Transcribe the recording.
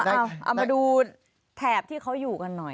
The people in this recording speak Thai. เอามาดูแถบที่เขาอยู่กันหน่อย